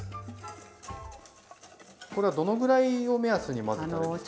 これはどのぐらいを目安に混ぜたらいいですか？